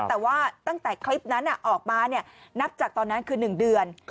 แต่ว่าตั้งแต่คลิปนั้นออกมานับจากตอนนั้นคือ๑เดือน